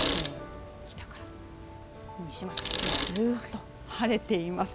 北から西までずっと晴れています。